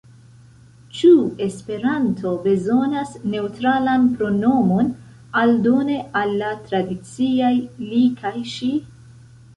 Ĉu Esperanto bezonas neŭtralan pronomon, aldone al la tradiciaj li kaj ŝi?